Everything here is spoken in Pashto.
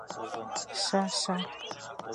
شه شه